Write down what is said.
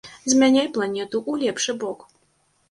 Змяняй планету ў лепшы бок!